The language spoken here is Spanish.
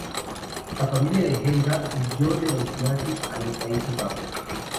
La familia de Helga huyó de los nazis a los Países Bajos.